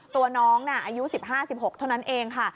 ตัวน้องอายุ๑๕๑๖เท่านั้นเองค่ะ